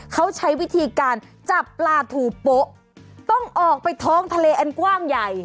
เขาใช้วิธีการจับปลาถูโป๊ะต้องออกไปท้องทะเลอันกว้างใหญ่